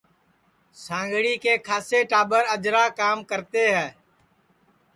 سانگھڑی کے کھاسیے ٹاٻر اجرا کام کرتے ہے